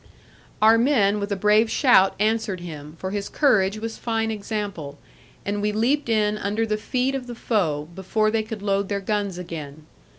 Our men with a brave shout answered him, for his courage was fine example; and we leaped in under the feet of the foe, before they could load their guns again.